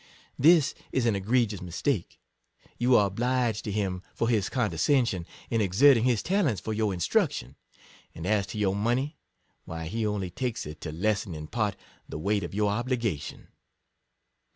This is an egregious mistake: you are obliged to him for his condescension in ex erting his talents for your instruction ; and as to your money, why he only takes it to lessen in part the weight of your obligation.